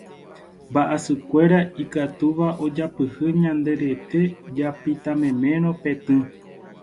mba'asykuéra ikatúva ojapyhy ñande rete japitamemérõ petỹ